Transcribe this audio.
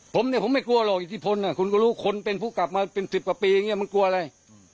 ผมเนี่ยผมไม่กลัวหรอกอิทธิพลคุณก็รู้คนเป็นผู้กลับมาเป็นสิบกว่าปีอย่างนี้มันกลัวอะไร